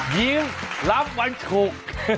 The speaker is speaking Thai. ยิ้มรับวันศุกร์